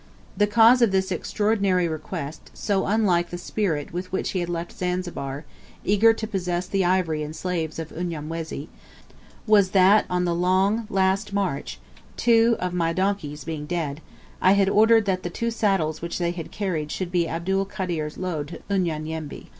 The cause of this extraordinary request, so unlike the spirit with which he had left Zanzibar, eager to possess the ivory and slaves of Unyamwezi, was that on the last long march, two of my donkeys being dead, I had ordered that the two saddles which they had carried should be Abdul Kader's load to Unyanyembe.